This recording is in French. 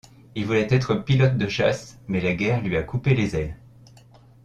Il voulait être pilote de chasse, mais la guerre lui a coupé les ailes.